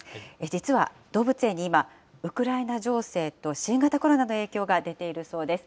実は動物園に今、ウクライナ情勢と新型コロナの影響が出ているそうです。